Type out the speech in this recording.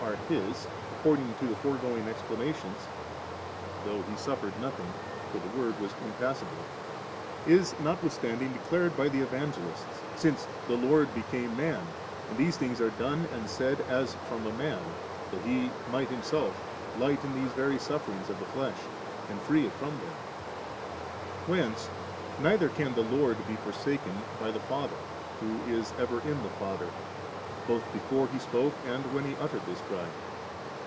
* are His, according to the foregoing explanations (though He suffered notmng, for the Word was impassible), is notwithstanding declared by the Evangelists ; sfoce the Lord became man, and these things are done and said as from a man, that He might Himself lighten* these very sufferings of the flesh, and free it from them '. Whence neither can the Lord be forsaken by the Father, who is ever in the Father, both before He spoke^ and when He uttei^sd this cry.